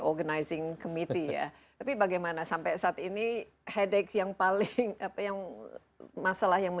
organizing committee ya tapi bagaimana sampai saat ini headach yang paling apa yang masalah yang